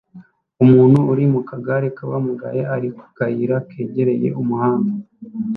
Umuntu uri mu kagare k'abamugaye ari ku kayira kegereye umuhanda